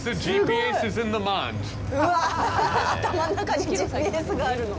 うわあ、頭の中にＧＰＳがあるの？